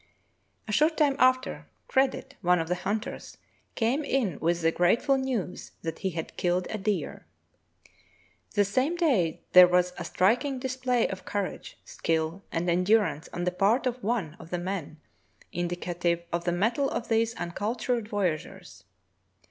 " A short time after, Credit, one of the hunters, came in with the grateful news that he had killed a deer. The same day there was a striking display of cour age, skill, and endurance on the part of one of the men indicative of the mettle of these uncultured voy ageurs.